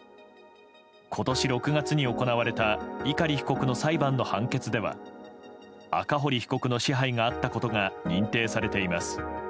今年６月に行われた碇被告の裁判の判決では赤堀被告の支配があったことが認定されています。